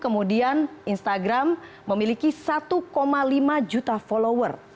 kemudian instagram memiliki satu lima juta follower